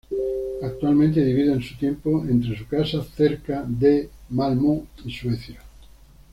Actualmente, dividen su tiempo entre su casa cerca de Malmö y Suecia.